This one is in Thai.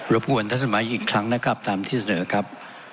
บกวนท่านสมัยอีกครั้งนะครับตามที่เสนอครับ